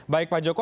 baik pak joko